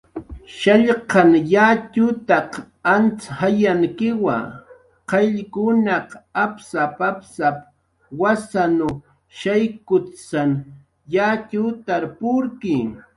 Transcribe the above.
"Punan yatxutaq antz jayankiwa: qayllkunaq apsap"" apsap"" wasanw shaykutsan yatxutar purki."